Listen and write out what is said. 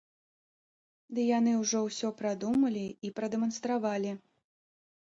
Ды яны ўжо ўсё прадумалі і прадэманстравалі.